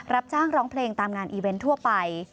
รับจ้างร้องเพลงตามงานอีเวนต์ทั่วไป